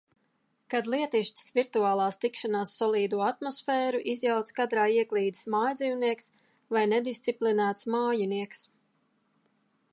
Kad lietišķas virtuālas tikšanās solīdo atmosfēru izjauc kadrā ieklīdis mājdzīvnieks vai nedisciplinēts mājinieks.